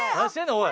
おい！